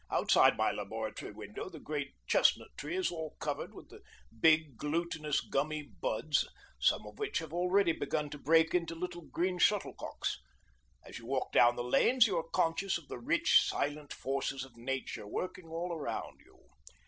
Outside my laboratory window the great chestnut tree is all covered with the big, glutinous, gummy buds, some of which have already begun to break into little green shuttlecocks. As you walk down the lanes you are conscious of the rich, silent forces of nature working all around you.